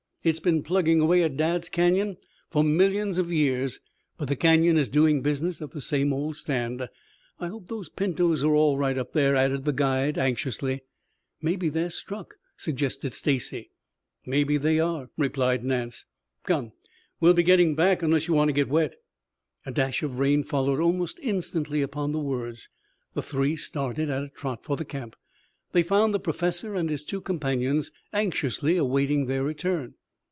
It's been plugging away at Dad's Canyon for millions of years, but the Canyon is doing business at the same old stand. I hope those pintos are all right up there," added the guide anxiously. "Mebby they're struck," suggested Stacy. "Mebby they are," replied Nance. "Come, we'll be getting back unless you want to get wet." A dash of rain followed almost instantly upon the words. The three started at a trot for the camp. They found the Professor and his two companions anxiously awaiting their return.